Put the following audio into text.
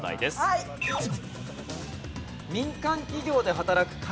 「民間企業で働く」。